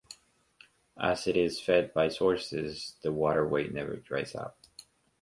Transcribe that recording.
As it is fed by sources, the waterway never dries up.